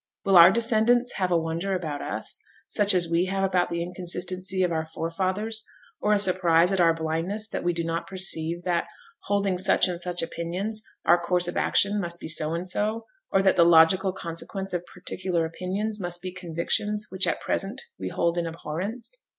Will our descendants have a wonder about us, such as we have about the inconsistency of our forefathers, or a surprise at our blindness that we do not perceive that, holding such and such opinions, our course of action must be so and so, or that the logical consequence of particular opinions must be convictions which at present we hold in abhorrence?